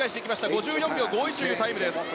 ５４秒４１というタイムです。